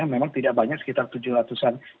memang tidak banyak sekitar tujuh ratus an